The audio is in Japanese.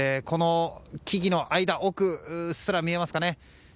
この木々の間奥うっすら見えますかね。